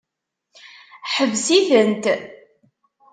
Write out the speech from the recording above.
Ḥbes-tent!